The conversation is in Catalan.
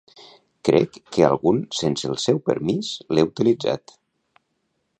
Crec que algun sense el seu permís l'he utilitzat.